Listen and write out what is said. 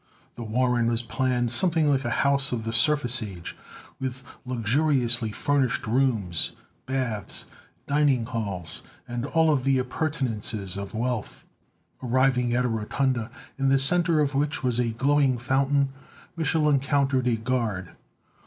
The warren was planned something like a house of the Surface Age, with luxuriously furnished rooms, baths, dining halls, and all the appurtenances of wealth. Arriving at a rotunda, in the center of which was a glowing fountain, Mich'l encountered a guard.